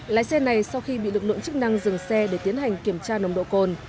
lái xe này sau khi bị lực lượng chức năng dừng xe để tiến hành kiểm tra nồng độ cồn